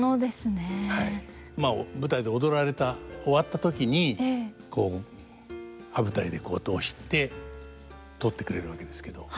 舞台で踊られた終わった時にこう羽二重でこう落として取ってくれるわけですけど。